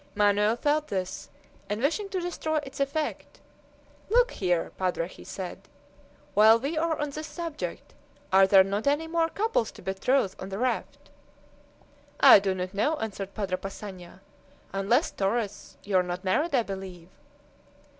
Manoel felt this, and wishing to destroy its effect, "Look here, padre," said he, "while we are on this subject, are there not any more couples to betroth on the raft?" "I do not know," answered Padre Passanha, "unless Torres you are not married, I believe?"